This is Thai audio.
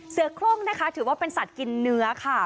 คร่งนะคะถือว่าเป็นสัตว์กินเนื้อค่ะ